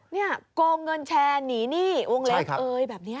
เนี่ยโกงเงินแชร์หนีหนี้วงเล็กเอ๋ยแบบเนี่ยครับ